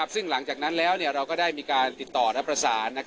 ซึ่งหลังจากนั้นแล้วเราก็ได้มีการติดต่อและประสาน